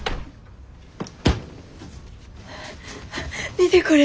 見てこれ。